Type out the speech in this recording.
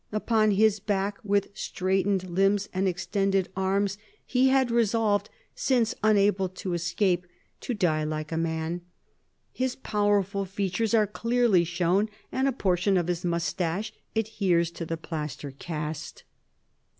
Upon his back, with straightened limbs and extended arms, he had resolved, since unable to escape, to die like a man. His powerful features are clearly shown, and a portion of his moustache adheres to the plaster cast.